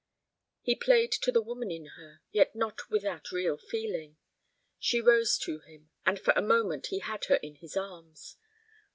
He played to the woman in her, yet not without real feeling. She rose to him, and for a moment he had her in his arms.